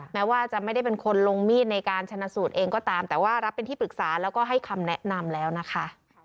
แม้ว่าจะไม่ได้เป็นคนลงมีดในการชนะสูตรเองก็ตามแต่ว่ารับเป็นที่ปรึกษาแล้วก็ให้คำแนะนำแล้วนะคะ